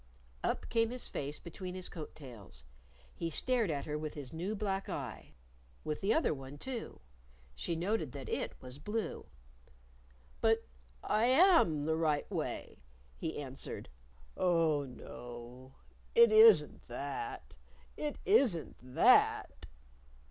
Up came his face between his coat tails. He stared at her with his new black eye with the other one, too. (She noted that it was blue.) "But I am up the right way," he answered, "Oh, no! It isn't that! It isn't that!"